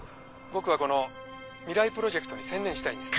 僕はこの未来プロジェクトに専念したいんです。